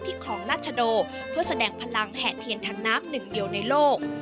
คลองราชโดเพื่อแสดงพลังแห่เทียนทางน้ำหนึ่งเดียวในโลก